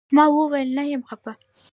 ما وويل نه يم خپه.